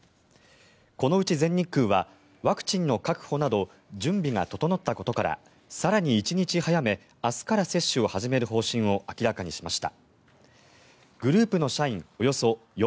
このうち全日空はワクチンの確保など準備が整ったことから更に１日早め明日から接種を始める方針を明らかにしました。